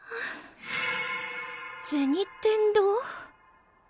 銭天堂？